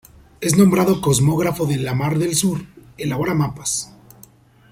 Es nombrado Cosmógrafo de la Mar del Sur, elabora mapas.